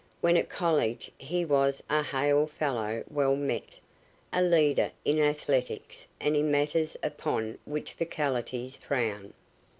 When at college he was a hail fellow well met, a leader in athletics and in matters upon which faculties frown.